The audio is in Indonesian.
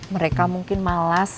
mereka mungkin malas